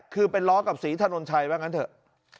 คือเป็นล้อกับศรีถนนชัยว่างั้นเถอะ